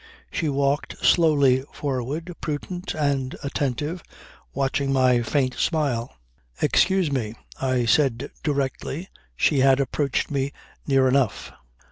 She walked slowly forward, prudent and attentive, watching my faint smile. "Excuse me," I said directly she had approached me near enough.